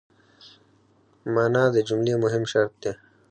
مانا د جملې مهم شرط دئ.